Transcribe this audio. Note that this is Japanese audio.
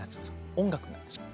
音楽になってしまう。